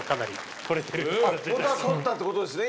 元は取ったってことですね